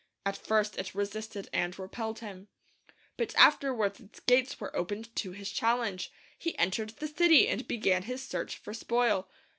At first it resisted and repelled him. But afterwards its gates were opened to his challenge. He entered the city and began his search for spoil.